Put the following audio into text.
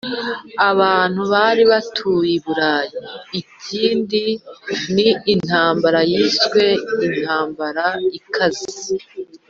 abantu bari batuye uburayi ikindi ni intambara yiswe intambara ikaze